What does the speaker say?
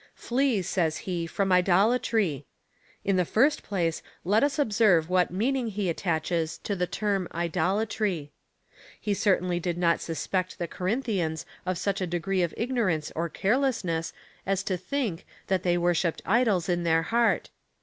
Flee, says he, from idolatrr/. In the first place, let us observe what meaning he attaches to the term Idolatry. He certainly did not suspect the Corinthians of such a degree of ignorance or careless ness ^ as to think, that they worshipped idols in their heart.